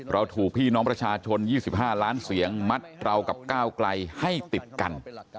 เราถูกพี่น้องประชาชน๒๕ล้านเสียงมัดเรากับก้าวไกลให้ติดกัน